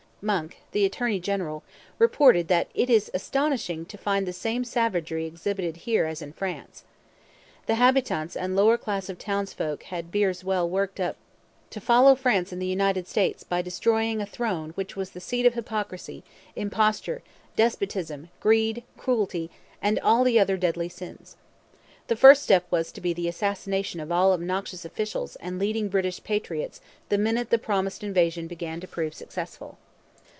Monk, the attorney general, reported that 'It is astonishing to find the same savagery exhibited here as in France.' The habitants and lower class of townsfolk had beers well worked up 'to follow France and the United States by destroying a throne which was the seat of hypocrisy, imposture, despotism, greed, cruelty' and all the other deadly sins. The first step was to be the assassination of all obnoxious officials and leading British patriots the minute the promised invasion began to prove successful.